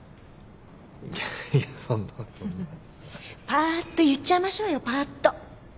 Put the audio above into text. ぱーっと言っちゃいましょうよぱーっと。